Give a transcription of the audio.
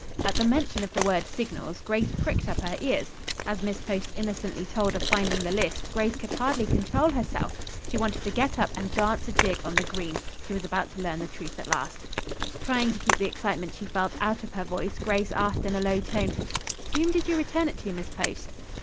At the mention of the word signals, Grace pricked up her ears. As Miss Post innocently told of finding the list, Grace could hardly control herself. She wanted to get up and dance a jig on the green. She was about to learn the truth at last. Trying to keep the excitement she felt out of her voice, Grace asked in a low tone, "Whom did you return it to, Miss Post?"